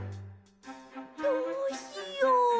どうしよう。